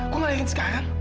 kok melahirkan sekarang